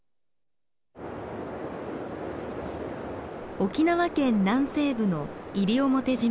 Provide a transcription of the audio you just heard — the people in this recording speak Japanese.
沖縄県南西部の西表島です。